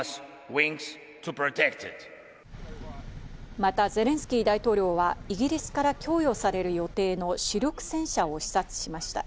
またゼレンスキー大統領はイギリスから供与される予定の主力戦車を視察しました。